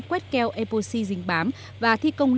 quét keo e booking